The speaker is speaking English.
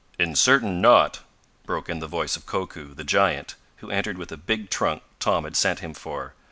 "Is certain not!" broke in the voice of Koku, the giant, who entered with a big trunk Tom had sent him for.